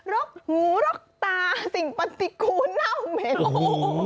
รกหูรกตาสิ่งปฏิกูลเน่าเม็ด